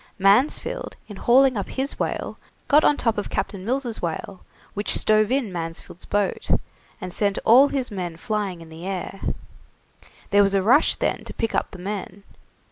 Mansfield, in hauling up his whale got on top of Captain Mills' whale, which stove in Mansfield's boat, and sent all his men flying in the air. There was a rush then to pick up the men.